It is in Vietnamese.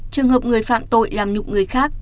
trường hợp người phạm tội làm nhục người khác